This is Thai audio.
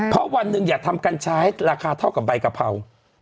เพราะวันนึงอยากทำการใช้ราคาเท่ากับใบกะเพรา